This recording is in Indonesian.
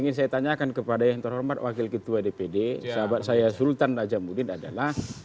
ingin saya tanyakan kepada yang terhormat wakil ketua dpd sahabat saya sultan najamuddin adalah